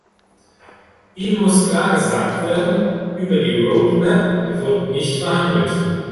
Ihm muss klar gesagt werden, über die road map wird nicht verhandelt.